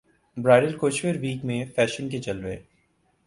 bridal couture week میں fashion کے جلوے